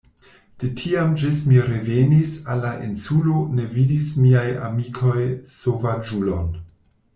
De tiam ĝis mi revenis al la insulo ne vidis miaj amikoj sovaĝulon.